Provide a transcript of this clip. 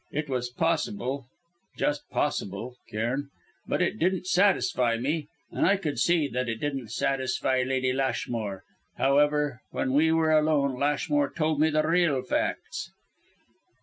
It was possible, just possible, Cairn; but it didn't satisfy me and I could see that it didn't satisfy Lady Lashmore. However, when we were alone, Lashmore told me the real facts."